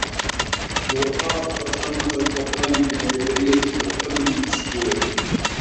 هو قرأ ترجمة القرآن بالعبرية فى أقل من إسبوع.